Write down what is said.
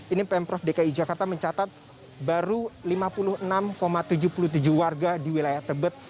ini pemprov dki jakarta mencatat baru lima puluh enam tujuh puluh tujuh warga di wilayah tebet